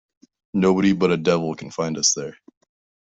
Nobody but a devil can find us there.